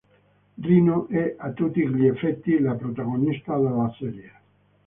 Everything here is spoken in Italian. Rino è a tutti gli effetti la protagonista della serie.